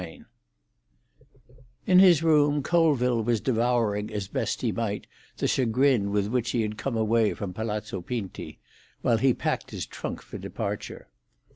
XII In his room Colville was devouring as best he might the chagrin with which he had come away from Palazzo Pinti, while he packed his trunk for departure.